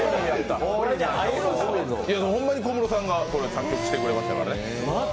ほんまに小室さんが作詞・作曲してくれましたからね。